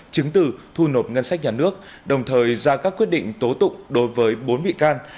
chứng từ thu nộp ngân sách nhà nước đồng thời ra các quyết định tố tụng đối với bốn bị can